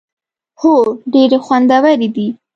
هو، ډیری خوندورې دي